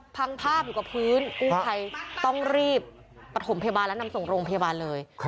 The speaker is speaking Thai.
พังภาพอยู่กับพื้นกู้ภัยต้องรีบประถมพยาบาลและนำส่งโรงพยาบาลเลย